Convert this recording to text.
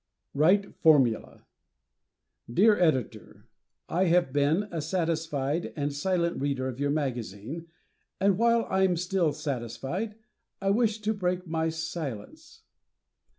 "Right Formula" Dear Editor: I have been a satisfied and silent reader of your magazine, and while I'm still satisfied, I wish to break my silence.